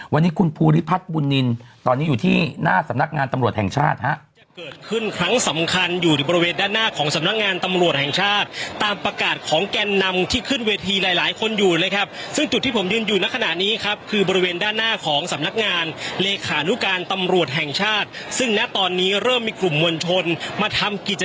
วันนี้คุณภูริพัฒน์บุญนินตอนนี้อยู่ที่หน้าสำนักงานตำรวจแห่งชาติ